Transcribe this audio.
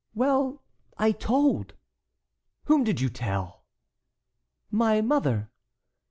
"Well, I told." "Whom did you tell?" "My mother."